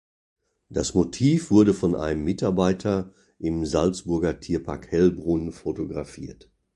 Das Motiv wurde von einem Mitarbeiter im Salzburger Tierpark Hellbrunn fotografiert.